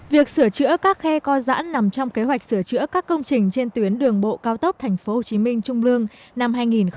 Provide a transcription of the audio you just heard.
việc sửa chữa các khe co giãn nằm trong kế hoạch sửa chữa các công trình trên tuyến đường bộ cao tốc tp hcm trung lương năm hai nghìn hai mươi